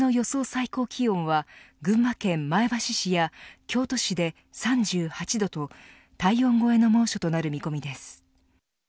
最高気温は群馬県前橋市や京都市で３８度と体温超えの猛暑となる見込みです。